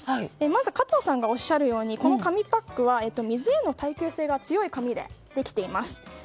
まず加藤さんがおっしゃるようにこの紙パックは水への耐久性が強い紙でできています。